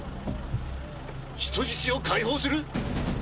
人質を解放する！？